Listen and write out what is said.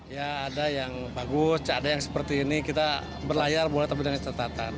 ya ada yang bagus ada yang seperti ini kita berlayar boleh tapi dengan catatan